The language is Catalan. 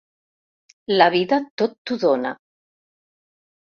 La vida tot t’ho dóna.